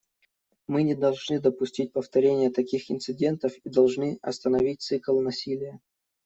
Мы не должны допустить повторения таких инцидентов и должны остановить цикл насилия.